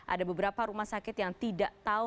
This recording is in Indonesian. ada beberapa rumah sakit yang tidak tahu